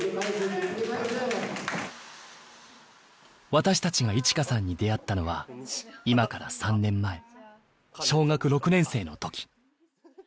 私たちが衣千華さんに出会ったのは今から３年前小学６年生の時。